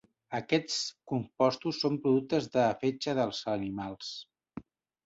Aquests compostos són productes del fetge dels animals.